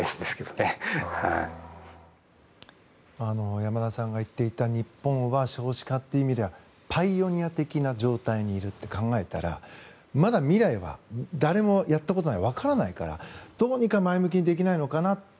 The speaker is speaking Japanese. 山田さんが言っていた日本は少子化という意味ではパイオニア的な状態にいるって考えたらまだ未来は誰もやったことないわからないから、どうにか前向きにできないのかなって。